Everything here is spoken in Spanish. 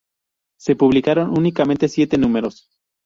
Se publicaron únicamente siete números.